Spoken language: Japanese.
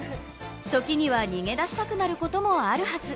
ときには逃げ出したくなることもあるはず